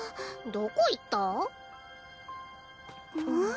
どこ行った？ん？